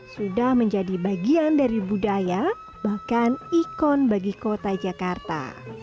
sudah menjadi bagian dari budaya bahkan ikon bagi kota jakarta